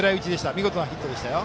見事なヒットでしたよ。